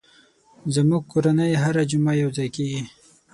زموږ کورنۍ هره جمعه یو ځای کېږي.